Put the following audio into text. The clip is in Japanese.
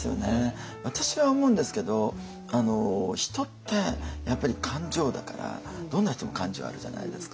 私は思うんですけど人ってやっぱり感情だからどんな人も感情あるじゃないですか。